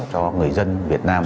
cho người dân việt nam